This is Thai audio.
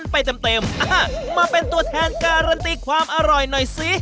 ไปเต็มมาเป็นตัวแทนการันตีความอร่อยหน่อยสิ